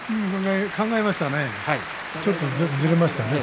考えましたね。